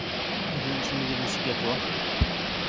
Һеҙҙең исемегеҙ нисек яҙыла?